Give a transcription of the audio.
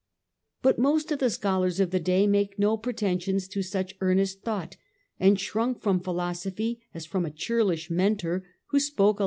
But most of the scholars of the day made no preten sions to such earnest thought, and shrunk from philosophy as from a churlish Mentor who spoke a 2°.